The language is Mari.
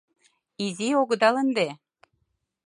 Изи огыдал ынде!